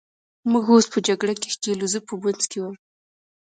موږ اوس په جګړه کې ښکېل وو، زه په منځ کې وم.